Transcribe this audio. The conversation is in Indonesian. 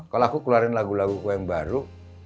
kalau aku keluarin lagu lagu aku yang baru